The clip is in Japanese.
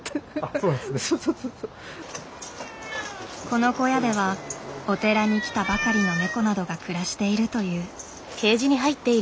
この小屋ではお寺に来たばかりのネコなどが暮らしているという。